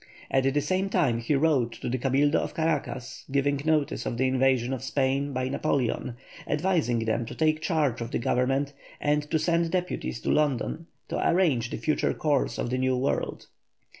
At the same time he wrote to the Cabildo of Caracas, giving notice of the invasion of Spain by Napoleon, advising them to take charge of the government and to send deputies to London to arrange the future course of the New World.